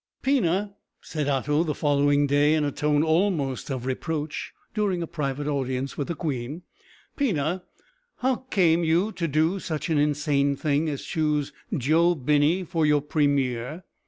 "Pina," said Otto the following day, in a tone almost of reproach, during a private audience with the queen, "Pina, how came you to do such an insane thing as choose Joe Binney for your premier?